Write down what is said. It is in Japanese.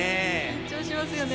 緊張しますよね。